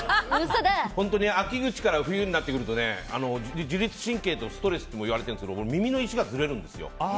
本当に秋口から冬になってくると自律神経とストレスと言われてるんですけど耳の位置がずれるんですよ。